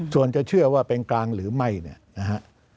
ส่วนจะเชื่อว่าเป็นกลางหรือไม่เนี่ยนะฮะ